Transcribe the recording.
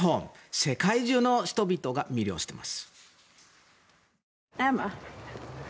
世界中の人々を魅了しています。